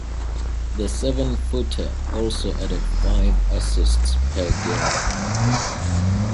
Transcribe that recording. The seven footer also added five assists per game.